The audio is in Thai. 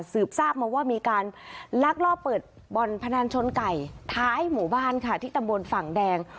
สืบทราบมาว่ามีการลักลอบเปิดบ่อนพนันชนไก่ท้ายหมู่บ้านค่ะที่ตำบลฝั่งแดง